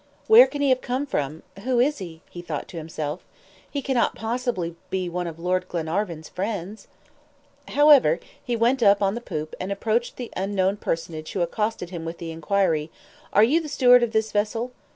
"Where can he have come from? Who is he?" he thought to himself. "He can not possibly be one of Lord Glenarvan's friends?" However, he went up on the poop, and approached the unknown personage, who accosted him with the inquiry, "Are you the steward of this vessel?"